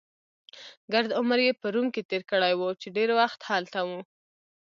ګرد عمر يې په روم کې تېر کړی وو، چې ډېر وخت هلته و.